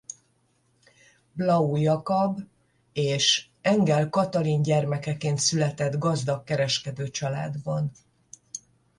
Blau Jakab és Engel Katalin gyermekeként született gazdag kereskedőcsaládban.